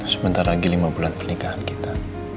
sebentar lagi lima bulan pernikahan kita